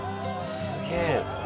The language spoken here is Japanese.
すげえ。